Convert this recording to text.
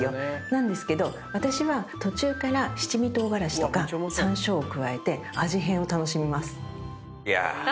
なんですけど私は途中から七味唐辛子とか山椒を加えて味変を楽しみます。